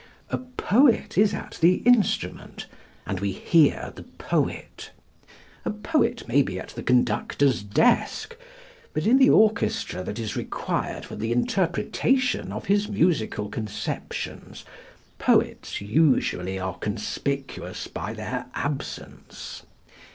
A poet is at the instrument and we hear the poet. A poet may be at the conductor's desk but in the orchestra that is required for the interpretation of his musical conceptions poets usually are conspicuous by their absence.